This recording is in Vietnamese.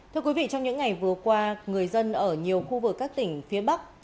thưa quý vị trong những ngày vừa qua người dân ở nhiều khu vực các tỉnh phía bắc